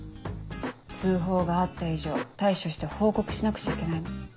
通報があった以上対処して報告しなくちゃいけないの。